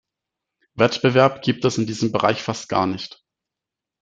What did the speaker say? Wettbewerb gibt es in diesem Bereich fast gar nicht.